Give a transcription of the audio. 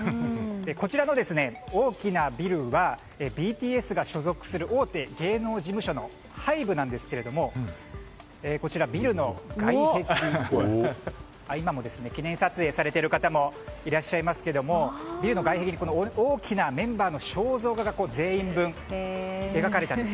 こちらの大きなビルはＢＴＳが所属する大手芸能事務所のＨＹＢＥなんですけどこちら、ビルの外壁では今も記念撮影されている方もいらっしゃいますがビルの外壁に大きなメンバーの肖像画が全員分、描かれたんです。